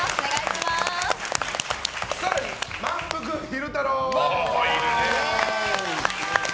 更に、まんぷく昼太郎！